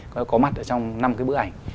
có mặt trong năm cái bức ảnh